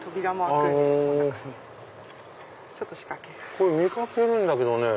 これ見掛けるんだけどね。